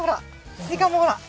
スイカもほら。